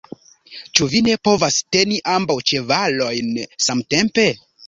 Ĉu vi ne povas teni ambaŭ ĉevalojn samtempe?